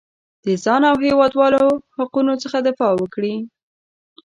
د ځان او هېوادوالو حقونو څخه دفاع وکړي.